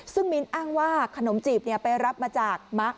ซึ่งมิ้นอ้างว่าขนมจีบไปรับมาจากมะ